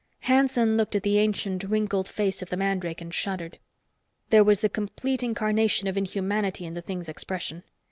Hanson looked at the ancient, wrinkled face of the mandrake and shuddered. There was the complete incarnation of inhumanity in the thing's expression.